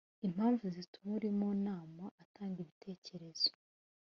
impamvu zituma uri mu nama atanga ibitekerezo